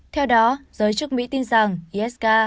theo đó giới chức mỹ tin rằng isk